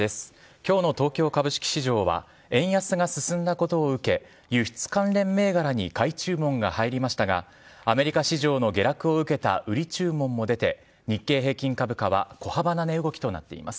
きょうの東京株式市場は、円安が進んだことを受け、輸出関連銘柄に買い注文が入りましたが、アメリカ市場の下落を受けた売り注文も出て、日経平均株価は小幅な値動きとなっています。